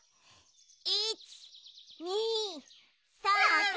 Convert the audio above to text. １２３４。